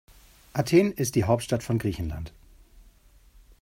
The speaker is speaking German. Athen ist die Hauptstadt von Griechenland.